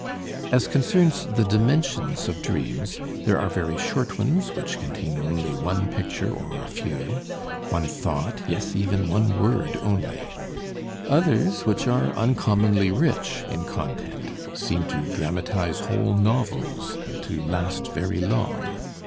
As concerns the dimensions of dreams, there are very short ones which contain only one picture or a few, one thought yes, even one word only , others which are uncommonly rich in content, seem to dramatize whole novels and to last very long.